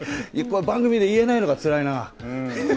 番組で言えないのが、つらいな。